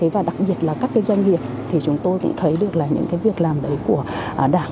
và đặc biệt là các doanh nghiệp chúng tôi cũng thấy được những việc làm đấy của đảng